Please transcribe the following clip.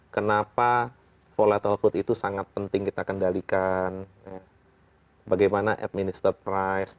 kenapa volatil food itu sangat penting kita kendalikan bagaimana administer price